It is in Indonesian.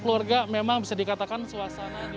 keluarga memang bisa dikatakan suasananya